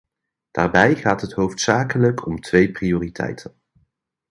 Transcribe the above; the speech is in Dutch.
Daarbij gaat het hoofdzakelijk om twee prioriteiten.